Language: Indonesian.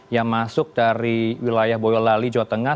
yang masuk dari wilayah boyolali jawa tengah